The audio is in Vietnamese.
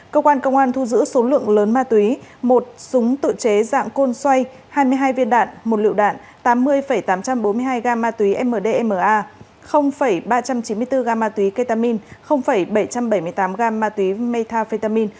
cơ quan công an thu giữ số lượng lớn ma túy một súng tự chế dạng côn xoay hai mươi hai viên đạn một liệu đạn tám mươi tám trăm bốn mươi hai gam ma túy mdma ba trăm chín mươi bốn gam ma túy ketamin bảy trăm bảy mươi tám gram ma túy metafetamin